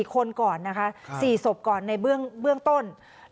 ๔คนก่อนนะคะ๔ต้องก่อนในเบื้องต้นนะคะครับ